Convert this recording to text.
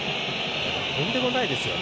とんでもないですよね。